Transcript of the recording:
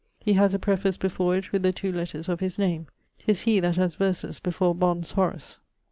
He haz a preface before it with the two letters of his name. 'Tis he that haz verses before Bond's Horace.